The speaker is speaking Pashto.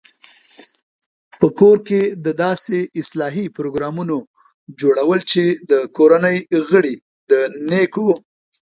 په کور کې د داسې اصلاحي پروګرامونو جوړول چې د کورنۍ غړي د نېکو